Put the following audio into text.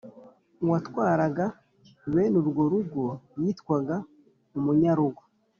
Uwatwaraga bene urwo ruhago yitwaga umunyaruhago